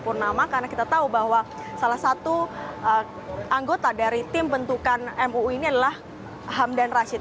purnama karena kita tahu bahwa salah satu anggota dari tim bentukan mui ini adalah hamdan rashid